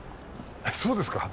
そうですか？